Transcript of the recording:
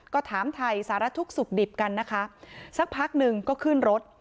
ก็ถามไทยสารทุกข์สุขดิบกันนะคะสักพักหนึ่งก็ขึ้นรถ